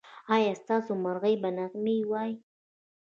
ایا ستاسو مرغۍ به نغمې وايي؟